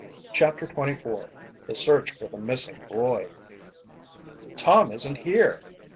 CHAPTER XXIV THE SEARCH FOR THE MISSING BOY "Tom isn't here!"